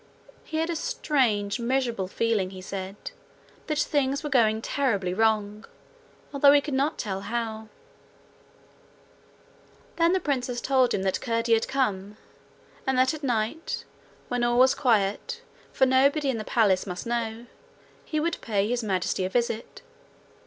He had a strange miserable feeling, he said, that things were going terribly wrong, although he could not tell how. Then the princess told him that Curdie had come, and that at night, when all was quiet for nobody in the palace must know, he would pay His Majesty a visit.